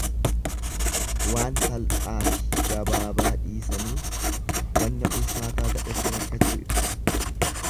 Waan salphaafi gabaabaa dhiisanii wanna ulfaataa ta'etti rakkachuu ibsa.